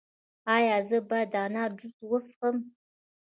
ایا زه باید د انار جوس وڅښم؟